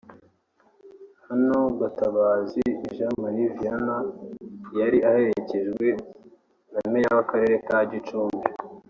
Hon Gatabazi Jean Marie Vianney yari aherekejwe na Meya w'akarere ka Gicumbi